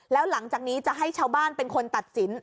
แล้วหลังจากนี้จะให้ชาวบ้านเป็นคนตัดสิน